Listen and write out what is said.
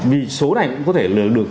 vì số này cũng có thể lừa được